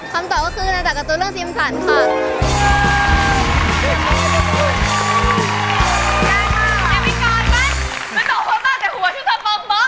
คำตอบก็คือในตัวตัวเรื่องซิมสันค่ะ